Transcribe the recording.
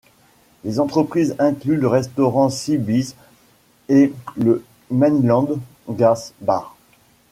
Les entreprises incluent le restaurant Sea Breeze et le Mainland Gas Bar.